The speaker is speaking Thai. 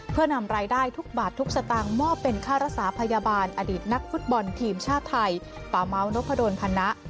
เพื่อนำรายได้ทุกบาททุกสตางค์มอบเป็นค่ารักษาพยาบาลอดีตนักฟุตบอลทีมชาติไทยป่าเมานพดลพนะ